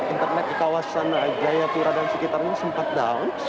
internet di kawasan jaya tura dan sekitarnya sempat down